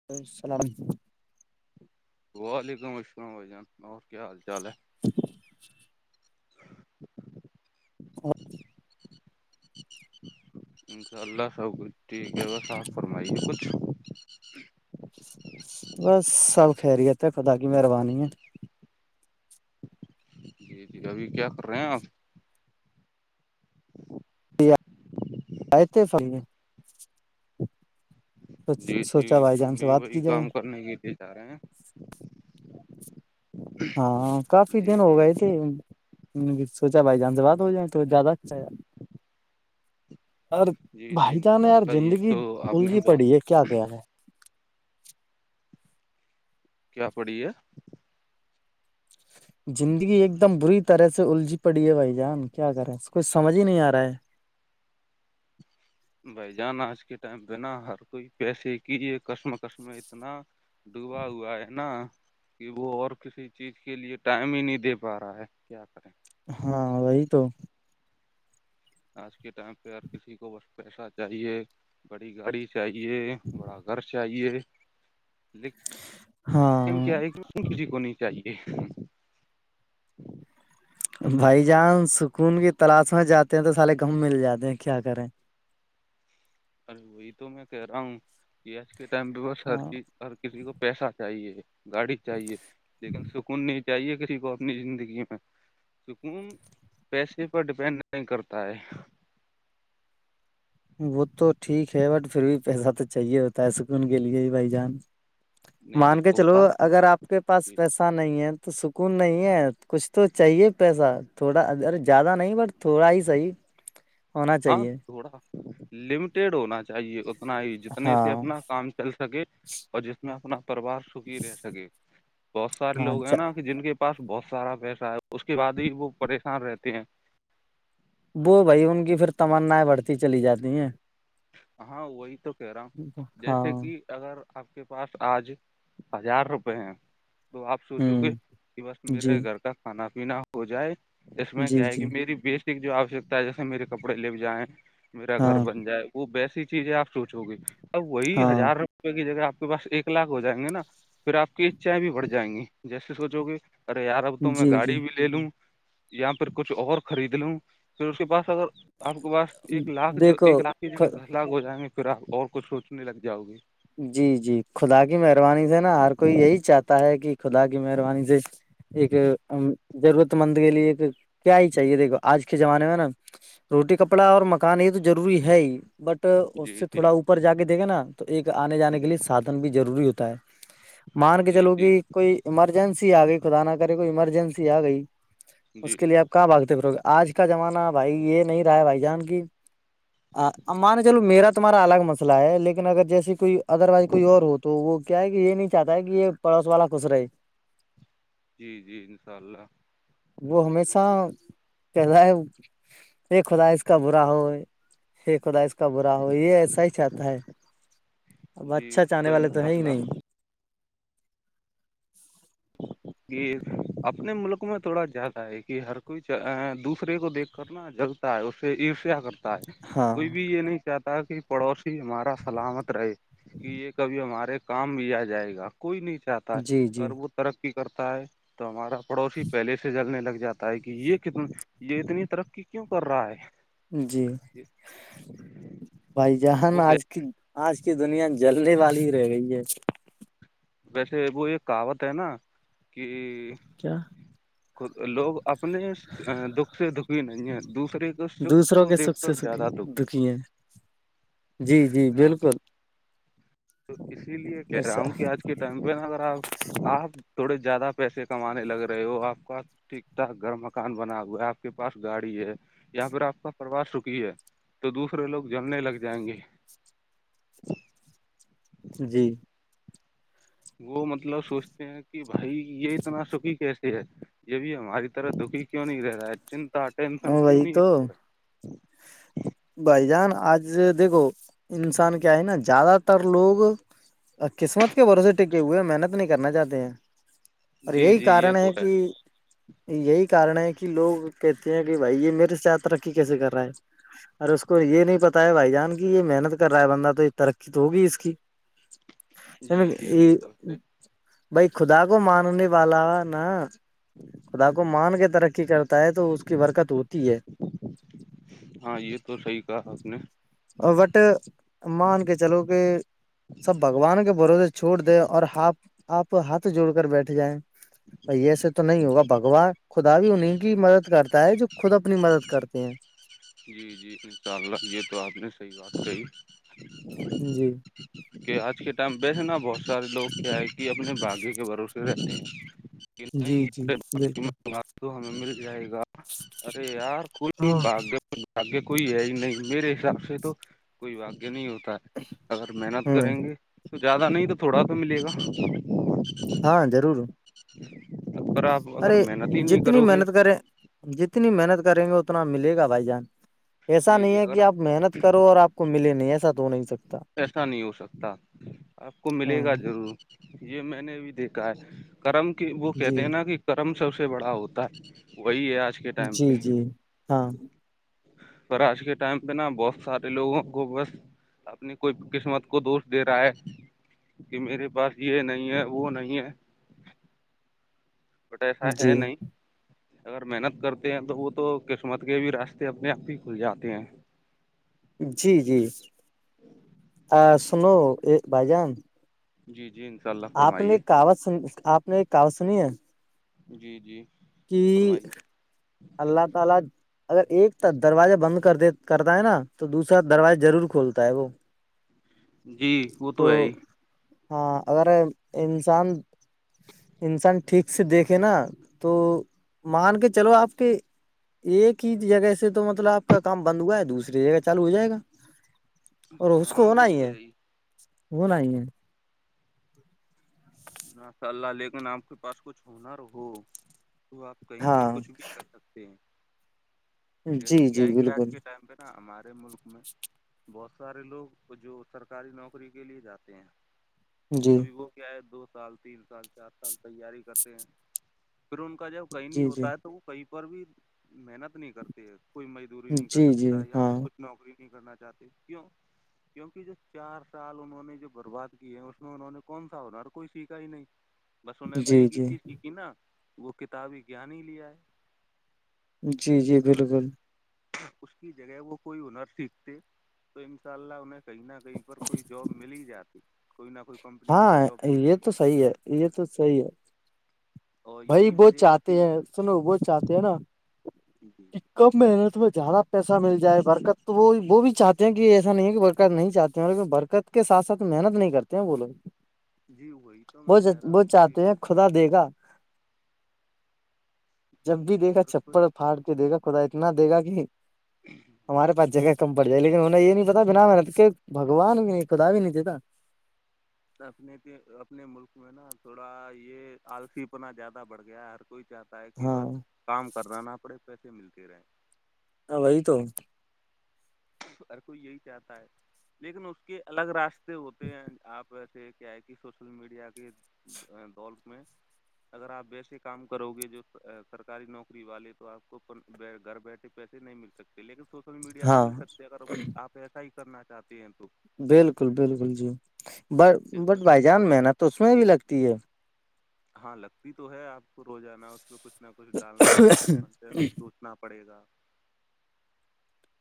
[unintelligible] وعلیکم السلام عھ جان اور کیا حال چال ہے [inaudible] انکاء اللہ سب کچھ یک ہےا فرمائیے کچھ بس سب خیریت پتا کی مہربانی ہے جی جی ابھی کیا کر رہے ہیں آپ یہ آئے تھ جی جی ہم بھی بات وہی کی جائے کام کرنے کے لیے جا رہے ہیں ہاں کافی جی دن ہو جی گئے تھے سوچا بھائی جان سے بات ہو جائیں تو زیادہ اچھا ہے یار ار جی جی بھائی جان انشاء یار اللہ یہ زندگی تو آپ الجھی نے بہت پڑی ہے کیا کیا ہے کیا پڑی ہے [inaudible] زندگی ایک دم بری طرح سے الجھی پڑی ہے بھائی جان کیا کریں کچھ سمجھ ہی نہیں آ رہا ہے بھائی جان آج کے ٹائم بنا ہر کوئی پیسے کی یہ کسم کسم اتنا ڈوبا ہوا ہے نا کہ وہ اور کسی چیز کے لیے ٹائم ہی نہیں دے پا رہا ہے کیا کریں ہاں وہی تو آج کے ٹائم پہ ہگر کسی کو بس پیسہ چاہیے بڑی گاڑی چاہیے بڑا گھر چاہیے ل ہاں کیاشن کسی کو نہیں چاہیے بھائی جان سکون کی تلاش میں جاتے ہیں تو سارے گم مل جاتے ہیں کیا کریں ارے وہی تو میں کہہ رہا ہوں کہ آج کے ٹائم پہ بس ہر ہاں چی ہر کسی کو پیسہ چاہیے گاڑی چاہیے لیکن سکون نہیں چاہیے کسی کو اپنی زندگی میں سکون پیسے پر ڈیپینڈ نہیں کرتا ہے وہ تو ٹھیک ہے بٹ پھر بھی پیسہ تو چاہیے ہوتا ہےس کہ ان کے لیے ہی بھائی جان نہیں نہیں مان کے چلو ہوتا اگر آپ آپ کے پاس پیسہ نہیں ہے تو سکون نہیں ہے کچھ تو چاہیے پیسہ تھوڑا ار زیادہ نہیں بٹ تھوڑا ہی صحیح ہونا ہاں چاہیے تھوڑا لمیٹیڈ ہونا چاہیے اتنا ہی جتنے سے ہاں اپنا کام چل سکے اور جس میں اپنا پرریوار سکھی رہ سکے بہت سارے ہاں لوگ ہیں اچھا نا کہ جن کے پاس بہت سارا پیسہ ہے اس کے بعد ہی وہ پریشان رہتے ہیں وہ بھائی ان کی پھر تمنائیں بڑھتی چلی جاتی ہیں ہاں وہی تو کہہ رہا ہوں ہاں جیسے کہ اگر آپ کے پاس آج ہزار روپے ہیں تو آپ سوچو ہوں گے کہ بس جی میرے گھر کا کھانا پینا ہو جائے اس میں جی کیا ہے جی کہ میری بیسک جو آوشکتا ہے جیسے میرے کپڑے لے جائیں میرا ہاں گھر بن جائے وہ ویسی چیز ہے آپ سوچو گے اب وہی ہاں ہزار روپے کی جگہ آپ تو بس ایک لاکھ ہو جائیں گے نا پھر آ کی اچھائیں بھی بڑھ جائیں گی جیسے سوچو گے ارے یار اب تو میں جی جی گاڑی بھی لے لوں یا پھر کچھ اور خرید لوں پھر اس کے پاس اگر آپ کے پاس ایک لاکھ جو دیکھو ایک لاکھ ٹھیک ہے گھر للاک ہو جائیں گے پھر آپ اور کچھ سوچنے لگ جاؤ گے جی جی خدا کی مہربانی سے نا ہر کوئی یہی چاہتا ہے کہ خدا کی مہربانی سے ایک ضرورت مند کے لیے ایک کیا ہی چاہیے دیکھو آج کے زمانے میں نا روٹی کپڑا اور مکان یہ تو ضوری ہے ہی بٹ اس جی سے تھوڑا جی اوپر جا کے دیکھے نا تو ایک آنے جانے کے جی لیے سادھن بھی ضروری ہوتا ہے مان کے جی چلو جی کہ کوئی ایمرجنسی آ گئی خدا نہ کرے کوئی ایمرجنسی آ گئی اس جی کے لیے آپ کہاں بھگتے پروگرام آج کا زمانہ بھائی یہ نہیں رہا ہے بھائی جان کیماں نے چلو میرا تمہارا الگ مسئلہ ہے لیکن اگر جیسی کوئی ادر وائز کوئی اور ہو تو وہ کیا کہ یہ نہیں چاہتا ہے کہ یہ پڑوس والا کس رہے جی جی ان شاء اللہ وہ ہمیشہ کہ رہ ہے ا خدا اس کا برا ہو یہ خدا اس کا برا ہو یہ ایسا ہی چاہتا ہے اب جی اچھا وہ چاہنے والے تو انشاء ہے ہی اللہ نہیں [inaudible] یہ اپنے ملک میں تھوڑا زیادہ ہے کہ ہر کوئی دوسرے کو دیکھ کرنا جل ہے اسے عرشیا کرتا ہے ہاں کوئی بھی یہ نہیں چاہتا کہ پڑوسی ہمارا سلامت رہے کہ یہ کبھی ہمارے کام بھی آ جائے گا کوئی نہیں چاہتا ہے جی اگر جی وہ ترقی کرتا ہے تو ہمارا پڑوسی پہلے سے جلنے لگ جاتا کہ یہ کت یہ اتنی ترقی کیوں کر رہا ہے جی بھائی جہان وہ کہ آج کی آج کی دنیا جلنے والی ہی رہ گئی ہے ویسے وہ یہ کہاوت ہے نا کہ کیا لوگ اپنے دکھ سے دکھی نہیں ہے دوسرے سکھ دوسروں کو کے سکھ دیکھ سے کر سکھی زیادہ دکھ ہے دکھی ہیں جی جی بالکل تو اسی لیے کہہ رہا ایسا، ہوں کہ آج ٹائم پہ نا اگر آپ آپ تھوڑے زیادہ پیسے کمانے لگ رہے ہو آپ کا ٹھیک ٹھاک گھر مکان بنا ہوا ہے آپ کے پاس گاڑی ہے یا پھر آپ کا پروار سکھی ہے تو دوسرے لوگ جلنے لگ جائیں گے جی وہ مطلب سوچتے ہیں کہ بھائی یہ اتنا سکی کیسے یہ بھی ہماری طرح دکھی کیوں نہیں رہ رہا ہے چنتا ٹینشن ہاں کیوں وہی نہیں تو اس کو ہے بھائی جان آج دیکھو انسان کیا ہے نا زیادہ تر لوگ قسمت کے بھروسے ٹکے ہوئے ہیں محنت نہیں کرنا چاہتے ہیں اور جی یہی جی یہ کارن تو ہے کہ یہی کارن ہے کہ لوگ کہتے ہیں کہ بھائی یہ میرے سے ترقی کیسے کر رہا ہے ار اس کو یہ نہیں پتا ہے بھائی جان کی یہ محنت کر رہا ہے بندہ تو یہ ترقی تو ہوگی اس کی جی جی یہ تو ہے بائی خدا کو ماننے والا نا خدا کو مان کے ترقی کرتا ہے تو اس کی برکت ہوتی ہے ہاں یہ تو صحیح کہا آپ نے بٹ مان کے چلو کہ سب بگوان کے برو چھوڑ دیں اور ہپ آپ ہاتھ جوڑ کر بیٹھ جائیں ب ایسے تو نہیں ہوگا بگوان خودا بھی ہو نہیں کی مدد کرتا ہے جو خود اپنی مدد کرتے ہیں جی جی انشاء اللہ یہ تو آپ نے صحیح بات کہی جی کہ آج کے ٹائم بیسے نا بہت سارے لوگ کیا ہے کہ اپنے باغے کے بھروسے رہتے ہیں جی جی پم بالکل بنگال تو ہمیں مل جائے گا ارے یار کل بھی ہاں باگ باگیہ کوئی ہے ہی نہیں میرے حساب سے تو کوئی باگیہ نہیں ہوتا ہے اگر محنت ہوں کریں گے تو زیادہ نہیں تو تھوڑا تو ملے گا ہاں ضرور ا پر آپ اگر ارے محنت ہی نہیں جتنی کرو گے محنت کریں جتنی محنت کریں گے اتنا ملے گا بھائی جان ایسا جی نہیں جی ہے اگر کہ آپ محنت کرو اور آپ کو ملے نہیں ایسا تو نہیں سکتا ایسا نہیں ہو سکتا آپ کو ہاں ملے گا ضرور یہ میں نے بھی دیکھا ہے کرم کی وہ کہتے جی ہیں نا کہ کرم سب سے بڑا ہوتا ہے وہی ہے آج کے ٹائم جی پہ جی ہاں پر آج کے ٹائم پہ نا بہت سارے لوگوں کو بس اپنے کوئی قسمت کو دوش دے رہا ہے کہ میرے پاس یہ نہیں ہے وہ نہیں ہے گٹے ایسا ہے جی نہیں اگر محنت کرتے ہیں تو وہ تو قسمت کے بھی راستے اپنے آپ ہی کھل جاتے ہیں جی جی سنو بھائی جان جی- جی انشاء اللہ- آپ نے فرمائیے کہغت سنی آپ نے ایک کہغت سنی ہے? جی- جی کہ فرمائیے اللہ تعالی اگر ایک دروازے بند کردا ہے نا- تو دوسرا جی دروازہ ضرور کھولتا ہے وہ- جی وہ تو ہے ہی ہاں اگر انسان انسان ٹھیک سے دیکھے نا تو مان کے چلو آپ کے ایک ہی جگہ سے تو مطلب آپ کا کام بند ہوا ہے دوسری جگہ چالو ہو جائے گا ہاں وہ تو ہے ہی وہ نہیں ہے ناصاء اللہ لیکن آپ کے پاس کچھ ہنر ہو- تو آپ کہیں بھی ہاں کچھ بھی کر سکتے ہیں- جی جیسے کہ جی آئے گی آج بالکل کے ٹائم پہ نا ہمارے ملک میں- بہت سارے لوگ جو سرکاری نوکری کے لیے جاتے ہیں- جی ابھی وہ کیا ہے دو سال تین سال چار سال تیاری کرتے ہیں- پھر ان کا جب کہیں نہیں جی جی ہوتا ہے تو وہ کہیں پر بھی محنت نہیں کرتے ہے کوئی م- دوری نہیں کر جی جی سکتا یہاں پ ہاں کچھ نوکری نہیں کرنا چاہتے کیوں- کیوںکہ جو چار سال انہوں نے جو برباد کیے ہیں اس میں انہوں نے کون سا ہونا- کوئی سیکھا ہی نہیں بس ان نے، تو جی ایک ہی جی چیز سیکھی نا وہ کتابی گان ہی لیا ہے جی- جی اگر بالکل- اس کی جگہ وہ کوئی ہنر سیکھتے تو انشاء اللہ انہیں- کہیں نہ کہیں پر کوئی جاب مل ہی جاتی- کوئی نہ کوئی کمپنی ان ہاں کو جاب یہ دیتی تو صحی ہے، یہ تو صحیح ہے- اور بھائی یہی وہ وجہ چاہتے ہے ہیں سنو وہ چاہتے ہیں نا- جی- جی کب محنت میں زیادہ پیسہ مل جائے برکت تو وہ وہ بھی چاہتے ہیں کہ ایسا نہیں ہے کہ برکت نہیں چاہتی- برکت کے ساتھ سات محنت نہیں کرتے ہیں وہ لوگ- جی وہی تو میں وہ کہہ رہا ہوں وہ کہ- چاہتے ہیں خدا دے گا- جگہ جب بھی دے گا ہر چپل کوئی پھاڑ کے دے گا خدا اتنا دے گا کہ- کم پڑ جائے لیکن انہیں یہ نہیں پتا بنا میں نے تو بگوان بھی نہیں خدا بھی نہیں دیتا- اپنے اپنے ملک میں نا تھوڑا یہ آلف پناہ زیادہ بڑھ گیا ہے ہر کوئی- چاہتا ہے کہ بس ہاں کام کرنا نہ پڑے پیسے ملتے رہے- ائی تو- ہر کو یہی چاہتا ہے- لیکن اس کے الگ راستے ہوتے ہیں آپ ویسے کیا ہے کہ سوشل میڈیا کے- دولت میں- اگر آپ بیسے کام کرو گے جو سرکاری نوکری والے تو آپ کو گھر بیٹھے- سکتی لیکن سوشل میڈیا پہ ہاں مل سکتا ہے اگر اپ ایسا ہی کرنا چاہتے ہیں تو- بالکل- بالکل جی، ب بٹ تو بھائی جان مح نت تو اس میں بھی لگتی ہے- ہاں لگتی تو ہے آپ کو روزانہ- اس میں کچھ نہ کچھ ڈالنا پڑے گا ہے کنٹینٹ ٹوٹنا پڑے گا-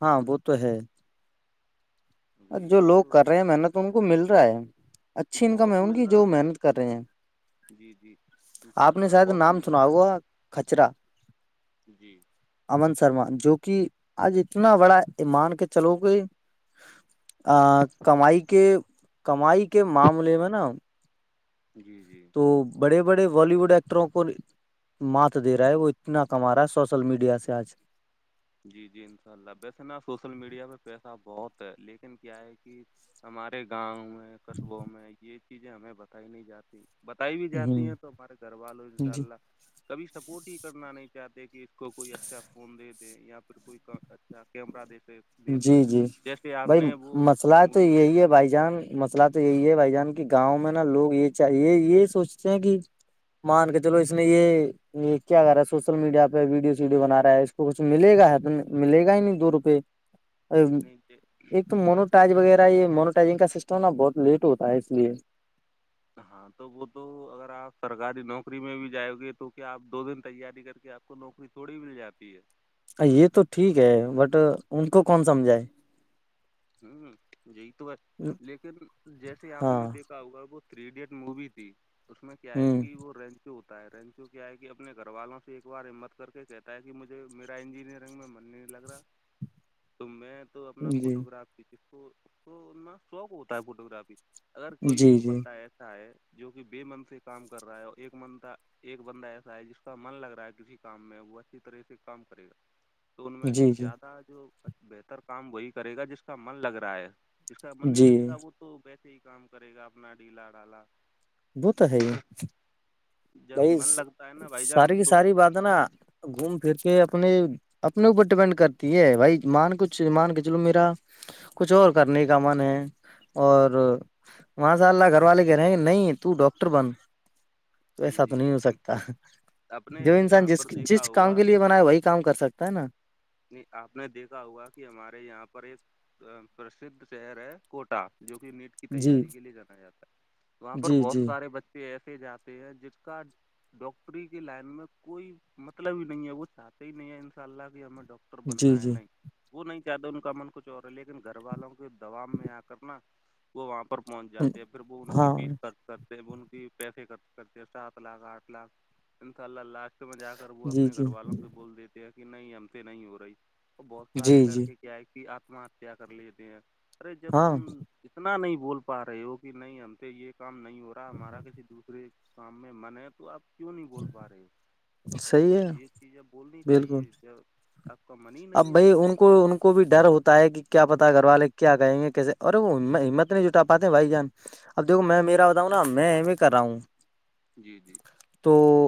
ہاں وہ تو ہے- وہی جو لوگ تو کر رہے ہیں محنت ان کو مل رہا ہے اچھی انکم ہے بہت ان مل کی جو رہا ہے محنت کر رہے ہیں- جی- جی انشاء آپ نے اللہ شاید بہت نام مل سنا رہا ہے ہوا کچرا- جی امن شرما جو کہ آج اتنا بڑا ای مان کے چلو گے کمائی کے کمائی کے معاملے میں نا جی جی تو بڑے بڑے بالی ووڈ ایکٹروں کو مات دے رہا ہے وہ اتنا کما رہا ہے سوشل میڈیا سے آج جی جی انشاء اللہ ویسے نا سوشل میڈیا پہ پیسہ بہت ہے لیکن کیا ہے کہ ہمارے گاؤں میں قصبوں میں یہ چیزیں ہمیں بتائی نہیں جاتی بتائی بھی جاتی ہوں ہیں تو ہمارے گھر والوں ان شاء جی اللہ کبھی سپورٹ ہی کرنا نہیں چاہتے کہ- کو کوئی اچھا فون دے دے یا پھر کوئی اچھا کیمرا دے دے- دے جی- جی جیسے آپ بھائی نے وہ مسئلہ تو مووی یہی ہے دیکھی بھائی جان مسئلہ تو- تو یہی ہے بھائی جان کی گاؤں میں نا لوگ یہ چاہ یہ یہ سوچتے ہیں کہ- مان کے چلو اس نے یہ- یہ کیا کر رہا ہے سوشل میڈیا پہ ویڈیو سیڈیو بنا رہا ہے اس کو کچھ ملے گا ہے تو ملے گا ہی نہیں دو روپے- نہیں ایک تو جیسے مونوٹائج وغیرہ یہ منیوٹائجنگ کا سسٹم نا بہت لیٹ ہوتا ہے اس لیے- ہاں تو وہ تو اگر آپ سرکاری نوکری میں بھی جائ گے تو کیا آپ دو دن تیاری کر کے آپ- کو نوکری تھوڑی مل جاتی ہے یہ تو ٹھیک ہے بٹ ان کو کون سمجھائے ہوں یہی تو ب لیکن جیسے آپ نے ہاں دیکھ ہوا وہ تھری ایڈیٹ مووی تھی اس میں کیا ہے ہوں کہ وہ رینج ہوتا ہے رینچو کیا ہے کہ اپنے گھر والوں سے ایک بار ہمت کر کے کہتا ہے کہ مجھے میرا انجینئرنگ میں مننی لگ رہا تو میں تو اپنا جی فوٹو گرافنا شوق ہوتا ہے فوٹو گرافی اگر کوئی جی ایک جی بندہ ایسا ہے جو کہ بے من سے کام کر رہا ہے اور ایک من کا ایک بندہ ایسا ہے جس کا من لگ رہا ہے کسی کام میں وہ اچھی طرح سے کام کرے گا تو ان میں سے جی جی زیادہ جو بہتر کام وہی کرے گا جس کا من لگ رہا ہے جس کا من نہیں جی لگے گا وہ تو ویسے ہی کام کرے گا اپنا ڈھیلا ڈالا وہ تو ہے جب بائی من لگتا ہے نا بھائی ساری جان کی تو ساری بات نا گھوم پھر کے اپنے اپنے اوپر ڈپینڈ کرتی ہے بھائی مان کچھ مان کے چلو میرا کچھ اور کرنے کا من ہے اور وہاں سے اللہ گھر والے کہہ رہے ہیں نہیں تو ڈاکٹر بن تو جی ایسا تو جی نہیں ہو سکتا اپنے جو انسان یہاں جس پر دیکھا جس کام کے ہوگا لیے بناائے وہی کام کر سکتا ہے نا آپ نے دیکھا ہوا کہ ہمارے یہاں پر ایک پرسدھ شہر ہے کوٹا جو کہ نیٹ جی تیاری کے لیے جانا جاتا ہے وہاں پر جی بہت جی سارے بچے ایسے جاتے ہیں جس کا ڈاکٹری کی لائن میں کوئی مطلب ہی نہیں ہے وہ چاہتے ہی نہیں ہے ان شاء اللہ کی ہمر جی بننا ہے جی نہیں وہ نہیں چاہتا ان کا من کچھ اور ہے لیکن گھر والوں کے دباؤ میں آ کر نا وہ وہاں پر پہنچ جاتے ہیں پھر وہ ان کی ہاں فیس کر کرتے ب ان کی پیسے کرتے سات لاکھ آٹھ لاکھ اناءلہ لاسٹ سمجھا کر وہ جی اپنے گھر جی والوں سے بول دیتے ہیں کہ نہیں ہمتے نہیں ہو رہی اور بہت سارے جی جی لڑکے کیا ہے کہ آتم ہتیا کر لیتے ہیں ارے جب ہاں تم اتنا نہیں بول پا رہے ہو کہ نہیں ہم پ یہ کام نہیں ہو رہا ہمارا کسی دوسرے شام میں من ہے تو آپ کیوں نہیں بول پا رہے صحیح ہے یہ چیزیںب بولنی بالکل چاہیے جب آپ کا من ہی اب نہیں ہے بھائی تو ان کو اسز ان کو بھی ڈر ہوتا ہے کہ کیا پتا ہے گھر والے کیا کہیں گے کیسے ارے وہ ہمت نہیں جٹا پاتے بھائی جان اب دیکو میں میرا بتاؤں نا میں ای کر رہا ہوں جی جی تو